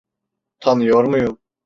Tanıyor muyum?